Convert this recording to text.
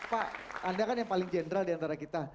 pak anda kan yang paling general diantara kita